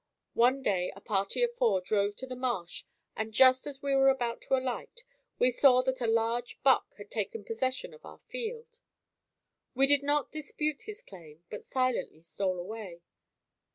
One day a party of four drove to the marsh and just as we were about to alight, we saw that a large buck had taken possession of our field. We did not dispute his claim, but silently stole away.